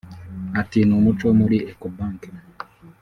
Ati “Numuco muri Ecobank